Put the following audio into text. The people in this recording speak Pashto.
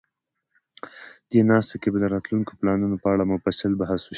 دې ناسته کې به د راتلونکو پلانونو په اړه مفصل بحث وشي.